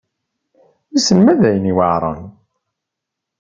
Wissen ma d ayen yuεren.